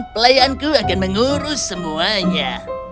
pelayanku akan mengurus semuanya